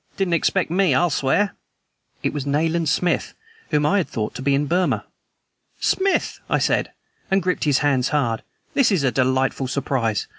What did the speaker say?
Didn't expect me, I'll swear!" It was Nayland Smith whom I had thought to be in Burma! "Smith," I said, and gripped his hands hard, "this is a delightful surprise!